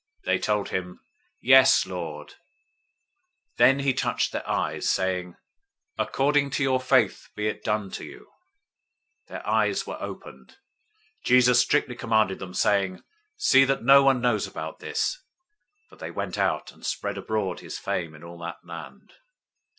They told him, "Yes, Lord." 009:029 Then he touched their eyes, saying, "According to your faith be it done to you." 009:030 Their eyes were opened. Jesus strictly charged them, saying, "See that no one knows about this." 009:031 But they went out and spread abroad his fame in all that land.